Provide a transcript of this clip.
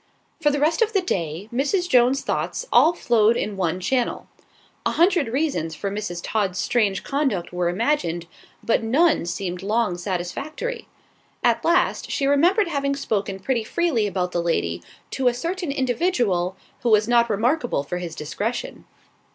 For the rest of the day, Mrs. Jones's thoughts all flowed in one channel. A hundred reasons for Mrs. Todd's strange conduct were imagined, but none seemed long satisfactory. At last, she remembered having spoken pretty freely about the lady to a certain individual who was not remarkable for his discretion.